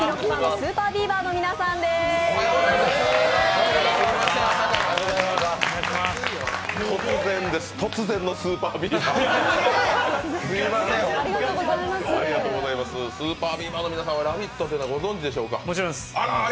ＳＵＰＥＲＢＥＡＶＥＲの皆さんは「ラヴィット！」というのはご存じでしょうか？